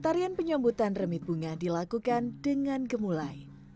tarian penyambutan remit bunga dilakukan dengan gemulai